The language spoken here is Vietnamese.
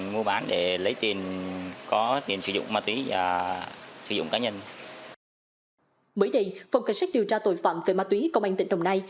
mới đây phòng cảnh sát điều tra tội phạm về ma túy công an tỉnh đồng nai